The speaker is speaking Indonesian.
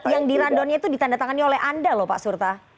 yang di rundownnya itu ditandatangani oleh anda loh pak surta